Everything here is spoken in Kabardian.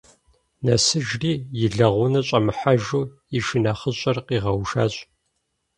Нэсыжри, и лэгъунэ щӏэмыхьэжу, и шынэхъыщӏэр къигъэушащ.